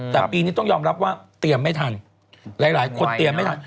แต่ปีนี้ต้องยอมรับว่าเตรียมไม่ทันหลายคนเตรียมไม่ทัน